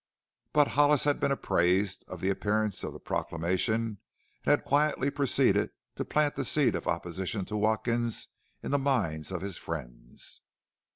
But Hollis had been apprised of the appearance of the proclamation and had quietly proceeded to plant the seed of opposition to Watkins in the minds of his friends.